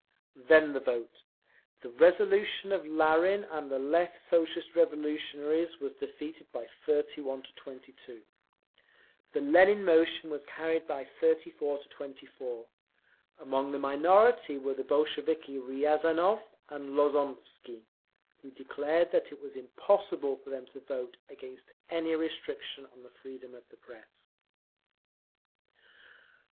Then the vote. The resolution of Larin and the Left Socialist Revolutionaries was defeated by 31 to 22; the Lenin motion was carried by 34 to 24. Among the minority were the Bolsheviki Riazanov and Lozovsky, who declared that it was impossible for them to vote against any restriction on the freedom of the Press.